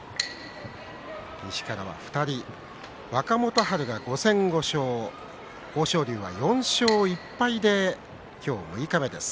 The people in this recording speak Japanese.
西からは２人、若元春は５戦５勝豊昇龍は４勝１敗で今日六日目です。